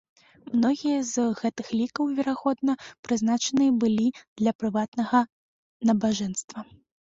Многія з гэтых лікаў, верагодна, прызначаныя былі для прыватнага набажэнства.